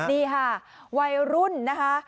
นี่ค่ะวัยรุ่นนะคะ